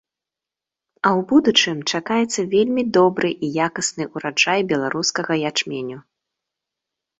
А ў будучым чакаецца вельмі добры і якасны ўраджай беларускага ячменю.